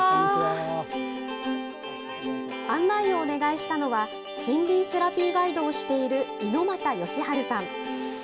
案内をお願いしたのは、森林セラピーガイドをしている猪股義晴さん。